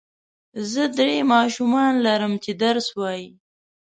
زه درې ماشومان لرم چې درس وايي.